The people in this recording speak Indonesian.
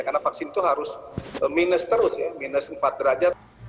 karena vaksin itu harus minus terus ya minus empat derajat